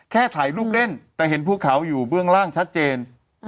ถ่ายรูปเล่นแต่เห็นภูเขาอยู่เบื้องล่างชัดเจน